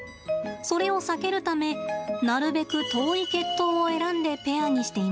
それを避けるためなるべく遠い血統を選んでペアにしています。